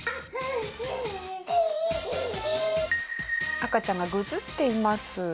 赤ちゃんがぐずっています。